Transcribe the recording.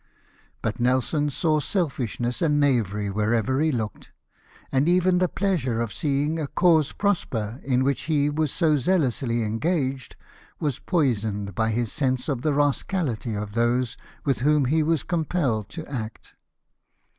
But Nelson saw selfishness and knavery wherever he looked ; and even the pleasure of seeing a cause prosper in which he was so zealously engaged was poisoned by his sense of the rascahty of those with whom he was compelled to act.